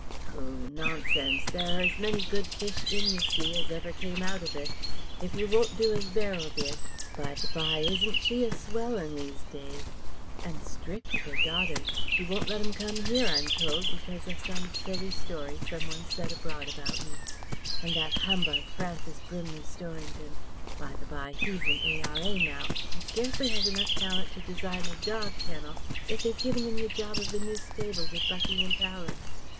"Pooh! nonsense. There are as many good fish in the sea as ever came out of it. If you won't do as Beryl did by the bye isn't she a swell in these days! And strict with her daughters! She won't let 'em come here, I'm told, because of some silly story some one set abroad about me! And that humbug, Francis Brimley Storrington by the bye he's an A.R.A. now and scarcely has enough talent to design a dog kennel, yet they've given him the job of the new stables at Buckingham Palace.